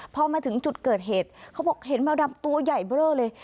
พอมาถึงจุดเกิดเหตุเขาบอกเห็นแมวดำตัวใหญ่เบลอเลย